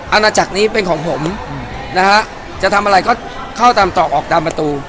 อาณาจักรนี้เป็นของผมนะฮะจะทำอะไรก็เข้าตามต่อออกตามประตู